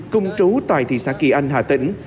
cùng trú tại thị xã kỳ anh hà tĩnh